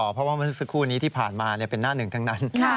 เพราะว่าเมื่อสักครู่นี้ที่ผ่านมาเป็นหน้าหนึ่งทั้งนั้น